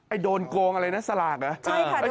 โดนโกงอะไรนะสลากเหรอ